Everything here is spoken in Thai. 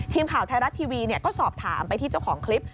ทีมข่าวไทยรัฐทีวีก็สอบถามไปที่เจ้าของคลิป